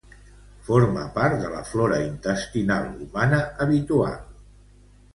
Forma part de la flora intestinal humana habitual.